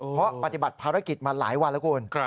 เพราะปฏิบัติภารกิจมาหลายวันแล้วคุณ